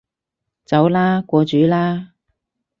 走啦，過主啦